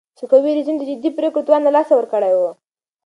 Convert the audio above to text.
صفوي رژيم د جدي پرېکړو توان له لاسه ورکړی و.